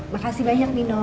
makasih banyak nino